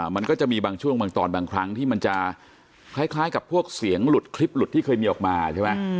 มันก็จะมีบางช่วงบางตอนบางครั้งที่มันจะคล้ายกับพวกเสียงหลุดคลิปหลุดที่เคยมีออกมาใช่ไหม